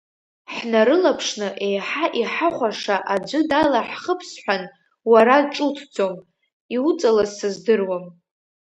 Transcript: Ҳнарылаԥшны еиҳа иҳахәаша аӡәы далаҳхып сҳәан, уара ҿуҭӡом, иуҵалаз сыздыруам.